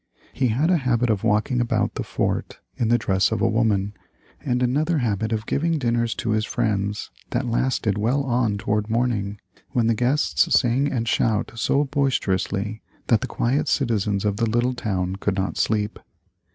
He had a habit of walking about the fort in the dress of a woman, and another habit of giving dinners to his friends that lasted well on toward morning, when the guests sang and shouted so boisterously that the quiet citizens of the little town could not sleep.